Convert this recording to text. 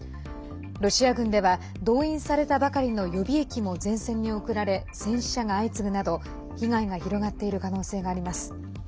ロシア軍では動員されたばかりの予備役も前線に送られ戦死者が相次ぐなど被害が広がっている可能性があります。